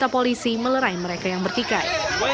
polisi melerai mereka yang bertikai